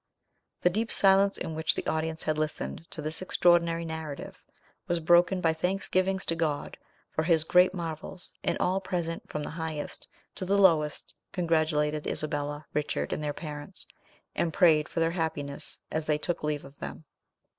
The deep silence in which the audience had listened to this extraordinary narrative was broken by thanksgivings to God for his great marvels; and all present, from the highest to the lowest, congratulated Isabella, Richard, and their parents, and prayed for their happiness as they took leave of them.